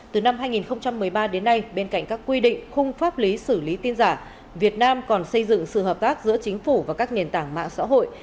từ năm hai nghìn một mươi ba đến nay bên cạnh các quy định khung pháp lý xử lý tin giả việt nam còn xây dựng sự hợp tác giữa chính phủ và các nền tảng mạng xã hội